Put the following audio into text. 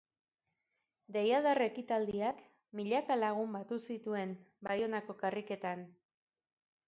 Deiadar ekitaldiak milaka lagun batu zituen Baionako karriketan.